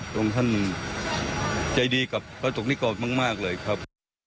องค์ท่านใจดีกับพระศกนิกรมากเลยครับ